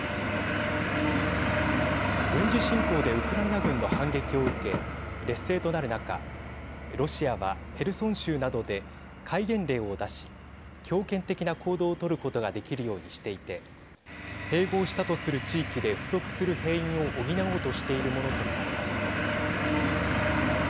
軍事侵攻でウクライナ軍の反撃を受け劣勢となる中、ロシアはヘルソン州などで戒厳令を出し、強権的な行動を取ることができるようにしていて併合したとする地域で不足する兵員を補おうとしているものと見られます。